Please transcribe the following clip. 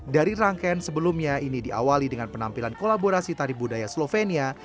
dari rangkaian sebelumnya ini diawali dengan penampilan kolaborasi tari budaya slovenia